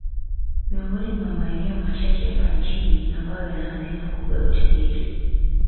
Miongoni mwa maeneo machache hapa nchini ambayo yana hazina kubwa ya utajiri